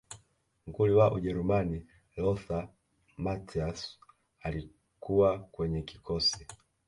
nguli wa ujerumani lothar matthaus alikuwa kwenye kikosi